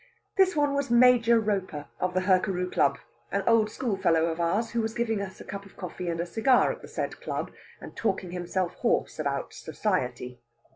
This one was Major Roper, of the Hurkaru Club, an old schoolfellow of ours, who was giving us a cup of coffee and a cigar at the said Club, and talking himself hoarse about Society.